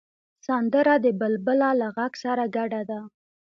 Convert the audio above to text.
سندره د بلبله له غږ سره ګډه ده